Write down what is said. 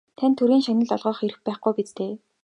Танд Төрийн шагнал олгох эрх байхгүй биз дээ?